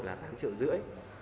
là tám triệu rưỡi